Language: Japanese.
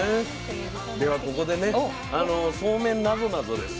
ではここでねそうめんなぞなぞです。